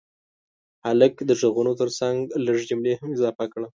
هلکه د غږونو ترڅنګ لږ جملې هم اضافه کړه.